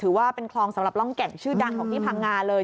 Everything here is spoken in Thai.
ว่าเป็นคลองสำหรับร่องแก่งชื่อดังของที่พังงาเลย